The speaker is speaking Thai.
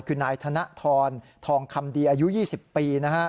คือนายธนทรทองคำเดียอายุ๒๐ปี